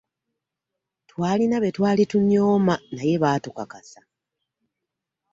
Twalina be twali tunyooma naye baatukakasa.